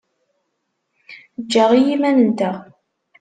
Ejj-aɣ i yiman-nteɣ.